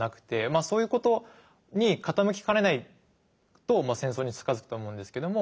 まあそういうことに傾きかねないと戦争に近づくと思うんですけども。